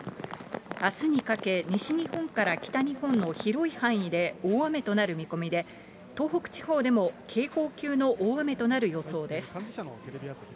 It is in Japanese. あすにかけ、西日本から北日本の広い範囲で大雨となる見込みで、東北地方でも警報級の大雨となる予想です。